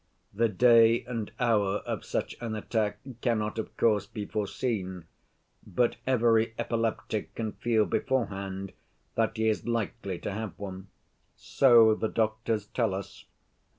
The day and hour of such an attack cannot, of course, be foreseen, but every epileptic can feel beforehand that he is likely to have one. So the doctors tell us.